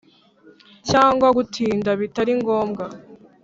cyangwa gutinda bitari ngombwa